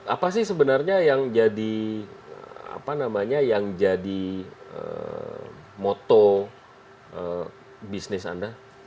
apa sih sebenarnya yang jadi apa namanya yang jadi moto bisnis anda